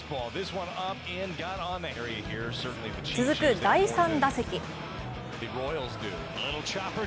続く第３打席。